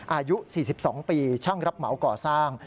อายุ๔๒ปีช่างรับเหมาก่อสร้าง